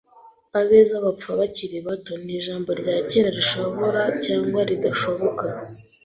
"Abeza bapfa bakiri bato" ni ijambo rya kera rishobora cyangwa ridashoboka.